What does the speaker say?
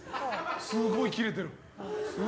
すごいキレてる。